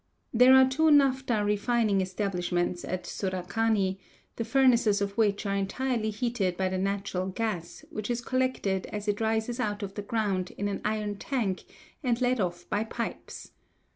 There are two naphtha refining establishments at Surakhani, the furnaces of which are entirely heated by the natural gas, which is collected as it rises out of the ground in an iron tank and led off by pipes.